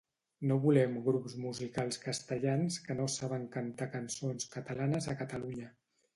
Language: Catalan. No volem grups musicals castellans que no saben cantar cançons catalanes a Catalunya